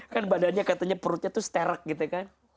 kan badannya katanya perutnya itu seterek gitu kan